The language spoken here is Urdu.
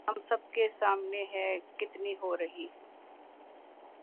ہم سب کے سامنے ہے کتنی ہو رہی